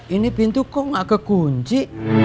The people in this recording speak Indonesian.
ini pintu kok gak kekunci